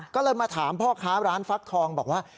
ก็เลยมาถามพ่อค้าร้านฟักทองบอกว่า